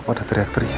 kok mau teriak teriak